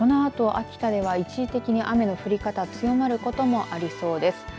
このあと秋田では一時的に雨の降り方強まることもありそうです。